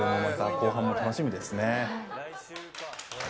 後半も楽しみですね。